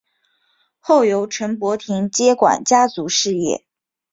后由陈柏廷接管家族事业。